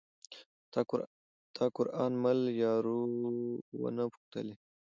تا قران مل یارو ونه پوښتلئ